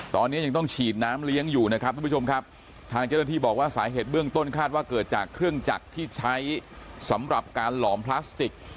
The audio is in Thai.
ตอนนี้ยังต้องฉีดน้ำเลี้ยงอยู่นะครับทุกผู้ชมครับทางเจ้าหน้าที่บอกว่าสาเหตุเบื้องต้นคาดว่าเกิดจากเครื่องจักรที่ใช้สำหรับการหลอมพลาสติก